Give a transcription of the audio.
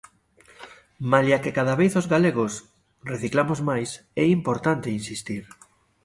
Malia que cada vez os galegos reciclamos máis, é importante insistir.